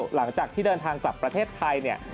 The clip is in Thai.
หลังจากที่เดินทางกลับประเทศไทยเนี่ย